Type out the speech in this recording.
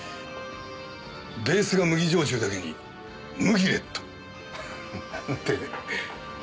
ベースが麦焼酎だけにムギレット。なんて。